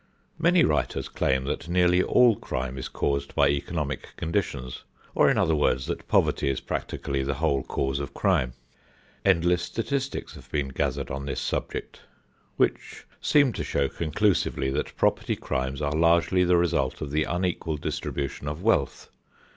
Many writers claim that nearly all crime is caused by economic conditions, or in other words that poverty is practically the whole cause of crime. Endless statistics have been gathered on this subject which seem to show conclusively that property crimes are largely the result of the unequal distribution of wealth.